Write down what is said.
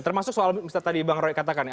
termasuk soal misalnya tadi bang roy katakan ya